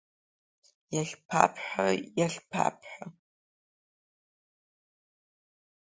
Иахьԥабҳәо, иахьԥабҳәо!